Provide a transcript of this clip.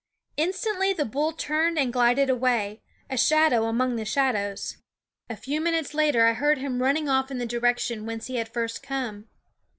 Instantly the bull turned and glided away, a shadow among the shadows. A few minutes later I heard him running off in the direction whence he had first come.